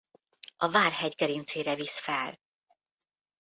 A Vár-hegy gerincére visz fel.